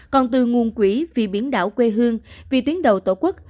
còn từ nguồn quỹ vì biển đảo quê hương vì tuyến đầu tổ quốc